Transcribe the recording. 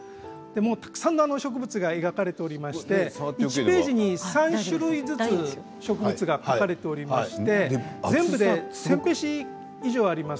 たくさんの植物が描かれていまして１ページに３種類ずつ描かれていまして全部で１０００ページ以上あります。